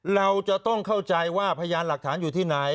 เราจะต้องเข้าใจว่าพยานหลักฐานอยู่ที่ไหน